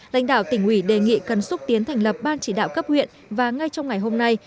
lãnh đạo tỉnh ủy đề nghị cần xúc tiến thành lập ban chỉ đạo cấp huyện và ngay trong ngày hôm nay